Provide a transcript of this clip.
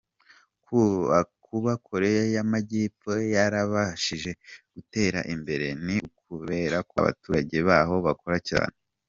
Kuba Koreya y’amajyepfo yarabashije gutera imbere, ni ukubera ko abaturage baho bakora cyane”.